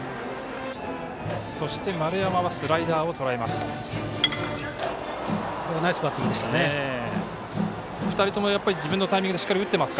そして丸山はスライダーをとらえます。